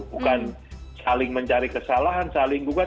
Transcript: bukan saling mencari kesalahan saling gugat